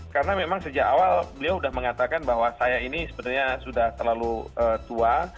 karena memang sejak awal beliau sudah mengatakan bahwa saya ini sebenarnya sudah terlalu tua